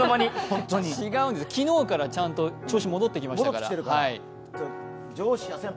昨日から、ちゃんと調子戻ってきていますから。